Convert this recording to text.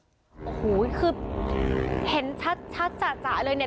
โอ้โหคือเห็นชัดชัดจ๋าจ๋าเลยเนี่ย